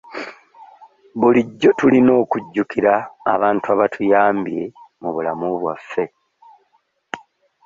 Bulijjo tulina okujjukira abantu abatuyambye mu bulamu bwaffe.